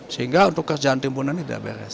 sehingga untuk kerjaan timbunan ini tidak beres